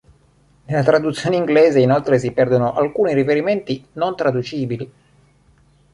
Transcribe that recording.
Nella traduzione inglese inoltre si perdono alcuni riferimenti non traducibili.